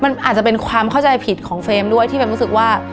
มันอาจจะเป็นความเข้าใจผิดของเฟรมด้วยที่เมมรู้สึกว่า